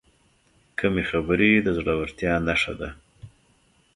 کمې خبرې، د زړورتیا نښه ده.